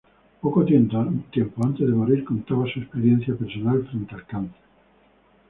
Poco tiempo antes de morir, contaba su experiencia personal frente al cancer.